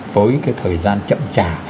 với cái thời gian chậm trả